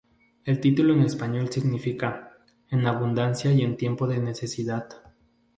El título en español significa "En abundancia y en tiempo de necesidad".